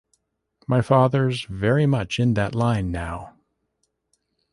My father’s very much in that line now.